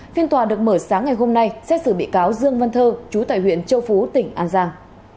phiên tòa được mở sáng ngày hôm nay xét xử bị cáo dương văn thơ chú tại huyện châu phú tỉnh an giang